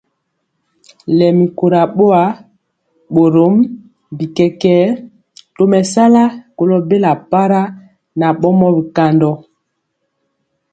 Lɛmi kora boa, borom bi kɛkɛɛ tomesala kolo bela para nan bɔnɛɛ bikandɔ.